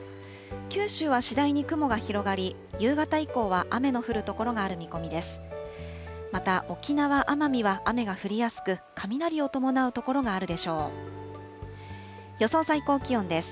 九州は次第に雲が広がり、夕方以降は雨の降る所がある見込みです。